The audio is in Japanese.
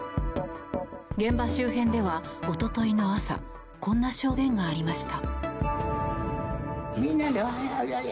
現場周辺では、一昨日の朝こんな証言がありました。